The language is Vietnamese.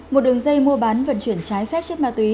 một đường dây mua bán vận chuyển trái phép chất ma túy